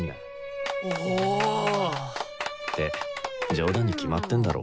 冗談に決まってんだろ。